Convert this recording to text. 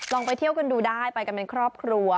ไปเที่ยวกันดูได้ไปกันเป็นครอบครัว